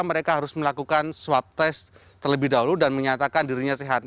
mereka harus melakukan swab test terlebih dahulu dan menyatakan dirinya sehat